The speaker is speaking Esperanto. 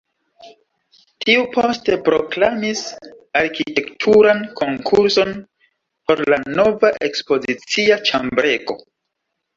Tiu poste proklamis arkitekturan konkurson por la nova ekspozicia ĉambrego.